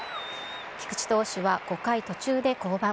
菊池投手は５回途中で降板。